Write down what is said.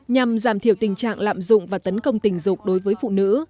nhằm giảm thiểu tình trạng lạm dụng và tấn công tình dục đối với phụ nữ